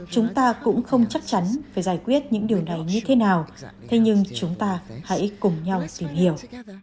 chúng ta cũng không chắc chắn phải giải quyết những điều này như thế nào thế nhưng chúng ta hãy cùng nhau tìm hiểu